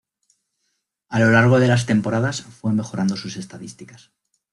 A lo largo de las temporadas fue mejorando sus estadísticas.